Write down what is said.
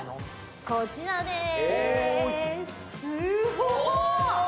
こちらです。